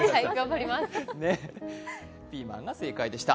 ピーマンが正解でした。